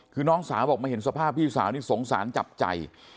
คือน้องสาวบอกมาเห็นสภาพพี่สาวนี่สงสารจับใจ